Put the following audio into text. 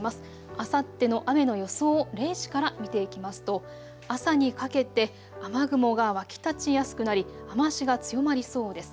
あさっての雨の予想を０時から見ていきますと朝にかけて雨雲が湧き立ちやすくなり雨足が強まりそうです。